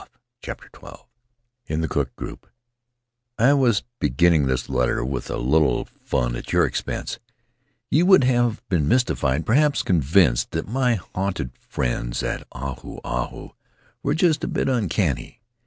16 CHAPTER XII In the Cook Group WAS close to beginning this letter with a little fun at your expense; you would have been mystified — perhaps convinced that my haunted friends of Ahu Ahu were just a bit uncanny.